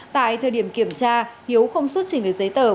tại thời điểm kiểm tra hiếu không xuất trình được giấy tờ